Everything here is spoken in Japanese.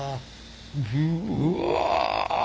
うわ！